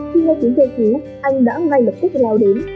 khi nghe tiếng kêu cứu anh đã ngay lập tức lao đến